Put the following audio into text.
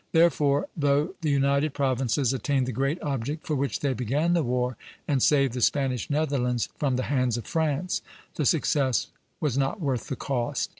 Therefore, though the United Provinces attained the great object for which they began the war, and saved the Spanish Netherlands from the hands of France, the success was not worth the cost.